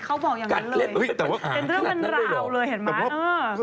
เขาบอกอย่างนี้เลยเป็นเรื่องแบนราวเลยเห็นไหม